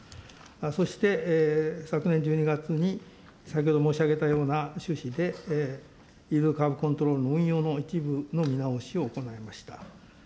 そして、昨年１２月に先ほど申し上げたような趣旨で、イールドカーブコントロールの運用の一部の見直しを行いました。